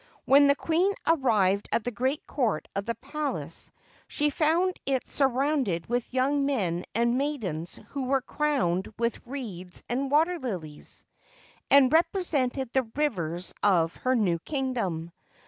When the queen arrived at the great court of the palace, she found it sur rounded with young men and maidens who were crowned with reeds and water lilies, and represented the rivers of her new kingdom.